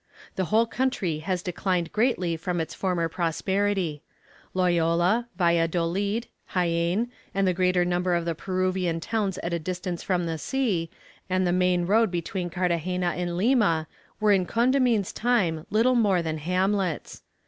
The whole country has declined greatly from its former prosperity. Loyola, Valladolid, Jaen, and the greater number of the Peruvian towns at a distance from the sea, and the main road between Carthagena and Lima, were in Condamine's time little more than hamlets.